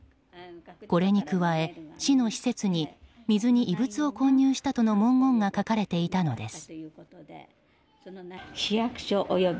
これに加え、市の施設に水に異物を混入したとの文言が書かれていたのです。